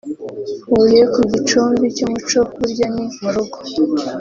Huye ku gicumbi cy’umuco burya ni mu rugo